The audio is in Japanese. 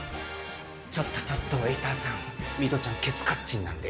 ちょっとちょっとウエーターさん。